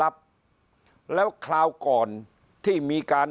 พักพลังงาน